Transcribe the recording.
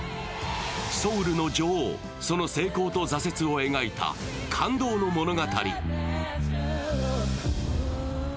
ソウルの女王、その成功と挫折を描いた感動の物語。